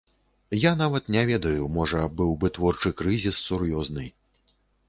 Я нават не ведаю, можа, быў бы творчы крызіс сур'ёзны.